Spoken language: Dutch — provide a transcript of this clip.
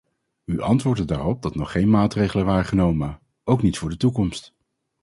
U antwoordde daarop dat nog geen maatregelen waren genomen, ook niet voor de toekomst.